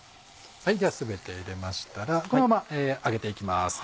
では全て入れましたらこのまま揚げていきます。